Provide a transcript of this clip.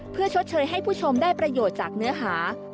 เพื่อชดเชยให้ผู้ชมได้ประโยชน์จากเนื้อหา